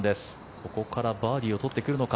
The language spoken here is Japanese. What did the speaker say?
ここからバーディーを取ってくるのか。